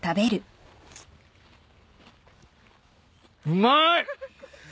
うまい！